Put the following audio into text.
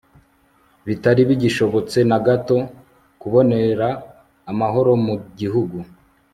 bitari bigishobotse na gato kubonera amahoro mu gihugu